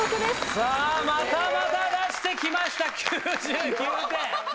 さぁまたまた出して来ました９９点。